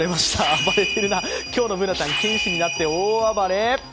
暴れてるな、今日のＢｏｏｎａちゃん、剣士になって大暴れ。